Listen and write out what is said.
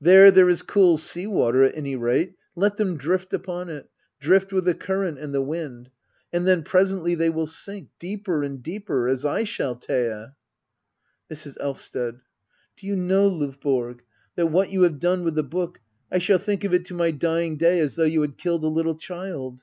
There there is cool sea water at any rate — let them drift upon it — drift with the current and the wind. And then presently they Will sink — deeper and deeper — ^^as I shall, Thea. Mrs. Elvsted. Do you know, Ldvborg, that what you have done with the book — I shall think of it to my d3riDg day as though you had killed a little child.